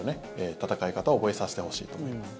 戦い方を覚えさせてほしいと思います。